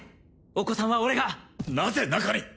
お子さんは俺がなぜ中に？